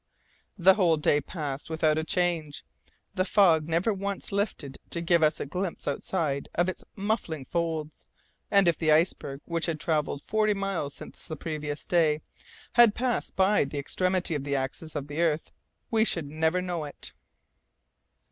The whole day passed without a change. The fog never once lifted to give us a glimpse outside of its muffling folds, and if the iceberg, which had travelled forty miles since the previous day, had passed by the extremity of the axis of the earth, we should never know it.